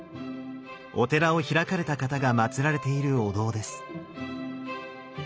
お寺を開かれた方がまつられているお堂です。